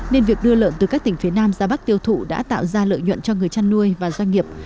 nên việc đưa lợn từ các tỉnh phía nam ra bắc tiêu thụ đã tạo ra lợi nhuận cho người chăn nuôi và doanh nghiệp